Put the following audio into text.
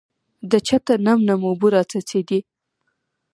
د چته نم نم اوبه راڅڅېدې .